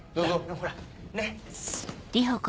ほらねっ。